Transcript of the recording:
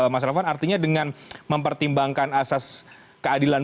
mas elvan artinya dengan mempertimbangkan asas keadilan